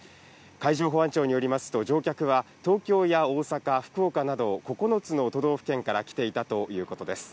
海上保安庁によりますと乗客は、東京や大阪、福岡など９つの都道府県から来ていたということです。